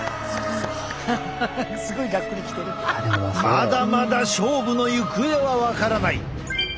まだまだ勝負の行方は分からない。